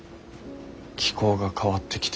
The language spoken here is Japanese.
気候が変わってきてる。